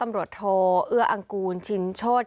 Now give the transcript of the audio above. มีรถมันต่อหลังมีรถมันต่อหลัง